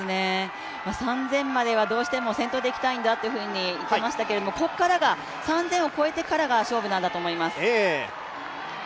３０００まではどうしても先頭でいきたいんだと言っていましたがここからが３０００を越えてからが勝負なんだと思います。